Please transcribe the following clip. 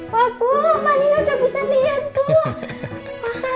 wah bu pak nino udah bisa liat tuh